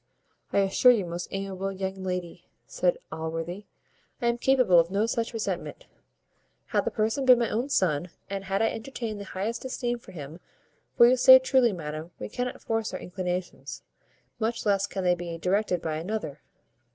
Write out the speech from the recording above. "I assure you, most amiable young lady," said Allworthy, "I am capable of no such resentment, had the person been my own son, and had I entertained the highest esteem for him. For you say truly, madam, we cannot force our inclinations, much less can they be directed by another."